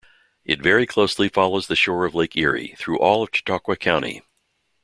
It very closely follows the shore of Lake Erie through all of Chautauqua County.